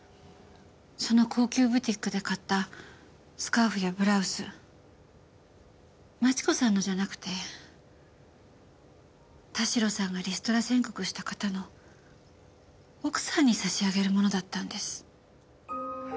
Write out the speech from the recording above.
その高級ブティックで買ったスカーフやブラウス万智子さんのじゃなくて田代さんがリストラ宣告した方の奥さんに差し上げるものだったんです。